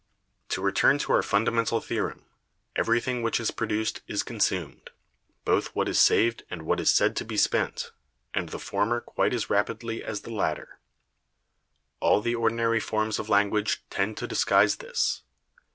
To return to our fundamental theorem. Everything which is produced is consumed—both what is saved and what is said to be spent—and the former quite as rapidly as the latter. All the ordinary forms of language tend to disguise this.